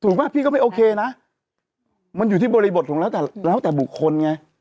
ถูกมั้งพี่ก็ไม่โอเคนะมันอยู่ที่บริบทหรือหลังแต่บุคคลไง